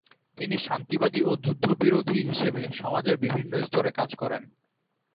তিনি শান্তিবাদি ও যুদ্ধ বিরোধী হিসেবে সমাজের বিভিন্ন স্তরে কাজ করেন।